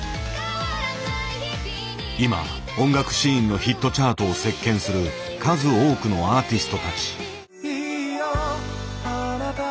今音楽シーンのヒットチャートを席巻する数多くのアーティストたち。